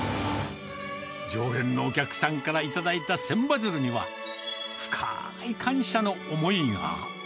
常連のお客さんから頂いた千羽鶴には、深ーい感謝の思いが。